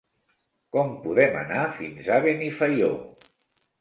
Com podem anar fins a Benifaió?